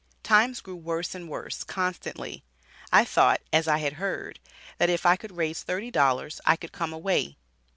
Times grew worse and worse, constantly. I thought, as I had heard, that if I could raise thirty dollars I could come away."